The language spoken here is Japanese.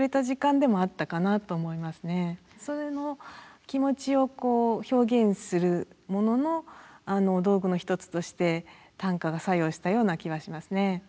それの気持ちをこう表現するものの道具の一つとして短歌が作用したような気はしますね。